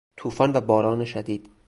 توفان و باران شدید